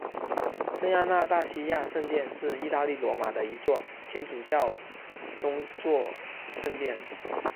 圣亚纳大西亚圣殿是意大利罗马的一座天主教宗座圣殿。